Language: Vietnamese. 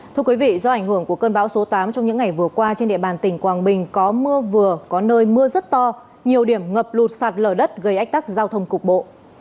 thưa quý vị do ảnh hưởng của cơn bão số tám trong những ngày vừa qua trên địa bàn tỉnh quảng bình có mưa vừa có nơi mưa rất to nhiều điểm ngập lụt sạt lở đất gây ách tắc giao thông cục bộ